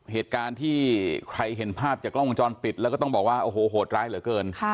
เหตุการณ์ที่ใครเห็นภาพจากกล้องวงจรปิดแล้วก็ต้องบอกว่าโอ้โหโหดร้ายเหลือเกิน